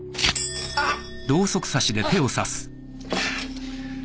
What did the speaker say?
あっ！